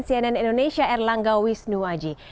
cnn indonesia erlangga wisnuwaji